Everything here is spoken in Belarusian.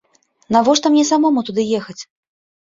Навошта мне самому туды ехаць?